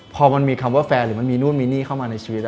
พอมันมีคำว่าแฟนหรือมันมีนู่นมีนี่เข้ามาในชีวิต